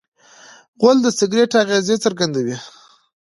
غول د سګرټ اغېز څرګندوي.